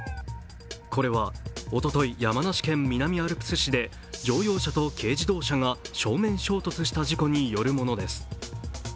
これはおととい、山梨県南アルプス市で乗用車と軽自動車が正面衝突した事故によるものです。